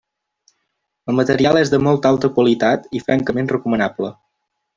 El material és de molta alta qualitat i francament recomanable.